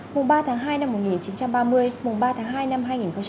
mùng ba tháng hai năm một nghìn chín trăm ba mươi mùng ba tháng hai năm hai nghìn hai mươi